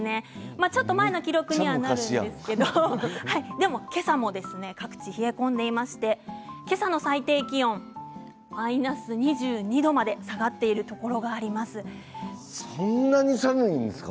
ちょっと前の記録にはなるんですけどでも今朝も各地冷え込んでいまして今朝の最低気温マイナス２２度までそんなに寒いんですか？